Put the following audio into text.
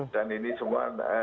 dan ini semua